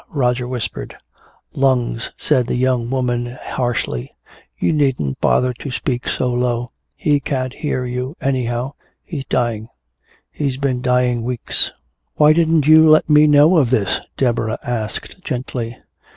Roger whispered. "Lungs," said the young woman harshly. "You needn't bother to speak so low. He can't hear you anyhow. He's dying. He's been dying weeks." "Why didn't you let me know of this?" Deborah asked gently.